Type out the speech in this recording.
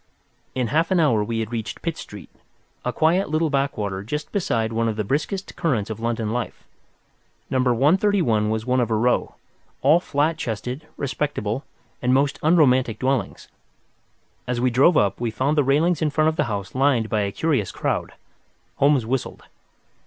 In half an hour we had reached Pitt Street, a quiet little backwater just beside one of the briskest currents of London life. No. 131 was one of a row, all flat chested, respectable, and most unromantic dwellings. As we drove up, we found the railings in front of the house lined by a curious crowd. Holmes whistled.